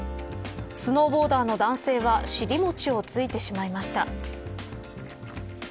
スノーボーダーの男性は尻もちをついてしまいました。